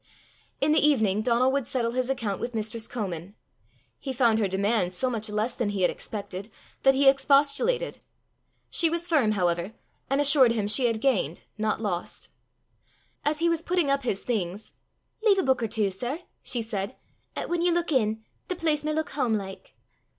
In the evening Donal would settle his account with mistress Comin: he found her demand so much less than he had expected, that he expostulated. She was firm, however, and assured him she had gained, not lost. As he was putting up his things, "Lea' a buik or twa, sir," she said, "'at whan ye luik in, the place may luik hame like.